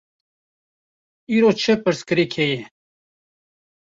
Îro çi pirsgirêk heye?